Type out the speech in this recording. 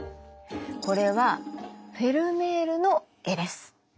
これはフェルメールの絵です。